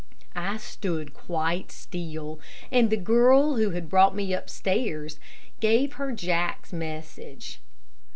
I stood quite still, and the girl who had brought me upstairs, gave her Jack's message.